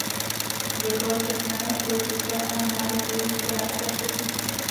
Publikoval četné politické a národohospodářské spisy.